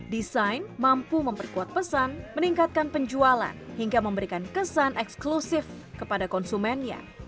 desain mampu memperkuat pesan meningkatkan penjualan hingga memberikan kesan eksklusif kepada konsumennya